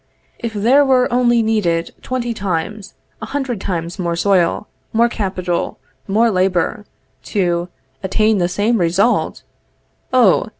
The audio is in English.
If there were only needed twenty times, a hundred times more soil, more capital, more labor, to attain the same result Oh!